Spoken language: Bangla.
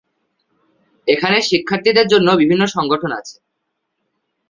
এখানে শিক্ষার্থীদের জন্য বিভিন্ন সংগঠন আছে।